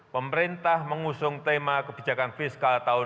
pemerintah mengusung tema kebijakan fiskal tahun dua ribu dua puluh